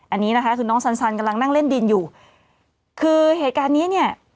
อันนี้นะคะคือน้องสันกำลังนั่งเล่นดินอยู่คือเหตุการณ์นี้เนี่ย